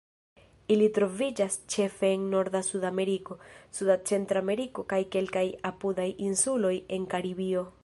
Ili troviĝas ĉefe en norda Sudameriko, suda Centrameriko, kaj kelkaj apudaj insuloj de Karibio.